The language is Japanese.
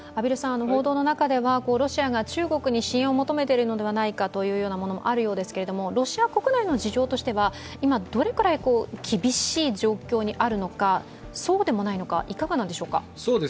報道の中ではロシアが中国に支援を求めているのではないかというものもあるようですが、ロシア国内の事情としては今どれくらい厳しい状況にあるのかそうでもないのか、いかがなんでしょうか。